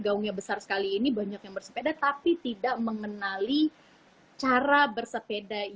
gaungnya besar sekali ini banyak yang bersepeda tapi tidak mengenali cara bersepeda